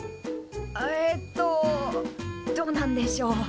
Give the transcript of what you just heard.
えっとどうなんでしょ。